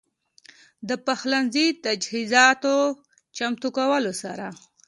د پخلنځي تجهيزاتو چمتو کولو سره